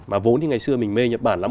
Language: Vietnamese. mà vốn thì ngày xưa mình mê nhật bản lắm